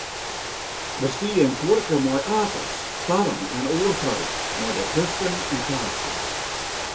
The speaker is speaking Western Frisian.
Der stie in kuorke mei apels, parren en oar fruit, mei dêrtusken in kaartsje.